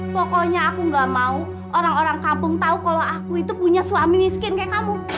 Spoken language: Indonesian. pokoknya aku gak mau orang orang kampung tahu kalau aku itu punya suami miskin kayak kamu